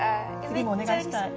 次もお願いしたい